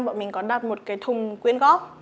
bọn mình có đặt một cái thùng quyên góp